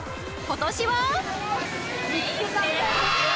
今年は